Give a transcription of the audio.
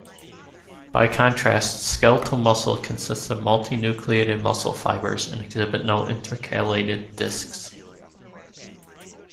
By contrast, skeletal muscle consists of multinucleated muscle fibers and exhibit no intercalated discs.